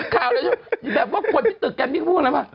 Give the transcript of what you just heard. ข่าวแล้วอยู่แบบว่าคนที่ตึกกันพี่พูดกันแล้วว่า